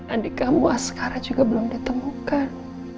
adik kamu askara juga belum ditemukan